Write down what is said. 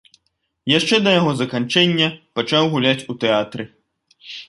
Яшчэ да яго заканчэння пачаў гуляць у тэатры.